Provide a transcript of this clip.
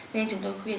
nên chúng tôi khuyên